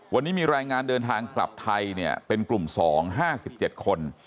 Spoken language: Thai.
วันนี้มีรายงานเดินทางกลับไทยเนี่ยเป็นกลุ่ม๒ห้าสิบเจ็ดคน